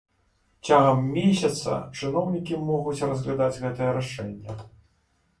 Цягам месяца чыноўнікі могуць разглядаць гэтае рашэнне.